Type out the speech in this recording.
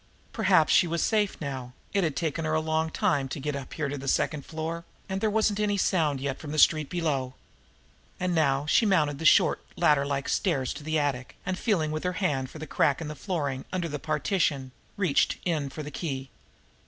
Perhaps she was safe now it had taken her a long time to get up here to the second floor, and there wasn't any sound yet from the street below. And now she mounted the short, ladder like steps to the attic, and, feeling with her hand for the crack in the flooring under the partition, reached in for the key.